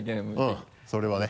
うんそれはね